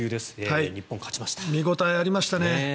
見応えありましたね。